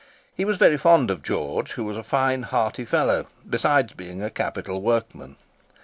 He was very fond of George, who was a fine, hearty fellow, besides being a capital workman.